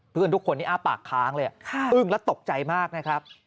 ทุกคนที่อ้าปากค้างเลยอึ้งและตกใจมากนะครับ